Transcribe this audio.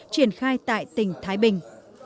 triển khai tại tỉnh thái bình